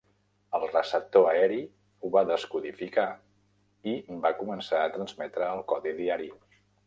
El receptor aeri ho va descodificar i va començar a transmetre el codi diari.